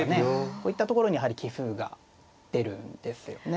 こういったところにやはり棋風が出るんですよね。